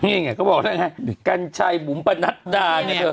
นี่ไงก็บอกได้ไงกัญชัยบุมปะนัดดาเนี่ย